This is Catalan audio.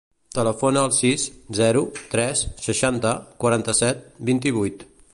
Telefona al sis, zero, tres, seixanta, quaranta-set, vint-i-vuit.